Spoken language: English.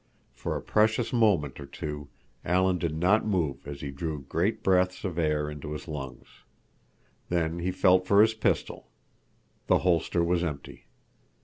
For a precious moment or two Alan did not move as he drew great breaths of air into his lungs. Then he felt for his pistol. The holster was empty.